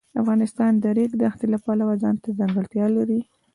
افغانستان د د ریګ دښتې د پلوه ځانته ځانګړتیا لري.